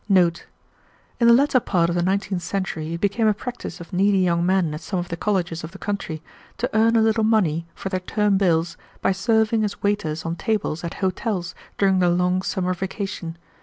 NOTE. In the latter part of the nineteenth century it became a practice of needy young men at some of the colleges of the country to earn a little money for their term bills by serving as waiters on tables at hotels during the long summer vacation.